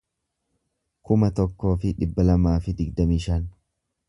kuma tokkoo fi dhibba lamaa fi digdamii shan